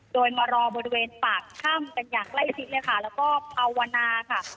โดยมารอบริเวณปากถ้ำกันอย่างใกล้ชิดเลยค่ะแล้วก็ภาวนาค่ะ